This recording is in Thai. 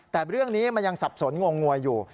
แต่เรื่องนี้มันยังสับสนงงงวยอยู่